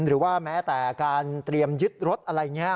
หรือว่าแม้แต่การเตรียมยึดรถอะไรอย่างนี้